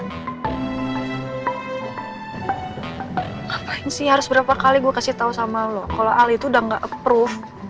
ngapain sih harus berapa kali gue kasih tau sama lo kalau ali itu udah gak approve